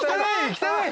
汚い！